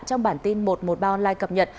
trong bản tin một trăm một mươi ba online cập nhật